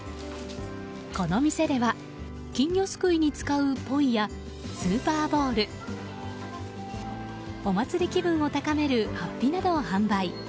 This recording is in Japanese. この店では、金魚すくいに使うポイや、スーパーボールお祭り気分を高めるはっぴなどを販売。